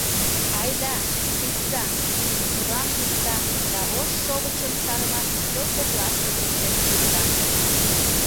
— Айда шичса! — пурам йӱкта да ош шовычым шарыман ӱстел коклашке пуртен шында.